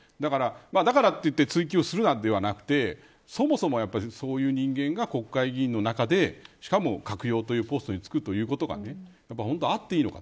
だからといって追及するなではなくてそもそも、そういう人間が国会議員の中でしかも閣僚というポストに就くということがあっていいのか。